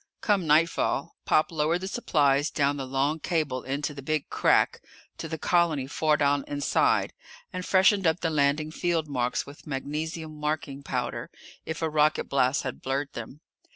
Come nightfall Pop lowered the supplies down the long cable into the Big Crack to the colony far down inside, and freshened up the landing field marks with magnesium marking powder if a rocket blast had blurred them.